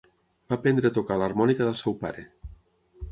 Va aprendre a tocar l'harmònica del seu pare.